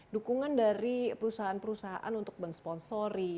dukungan dari perusahaan perusahaan untuk mensponsori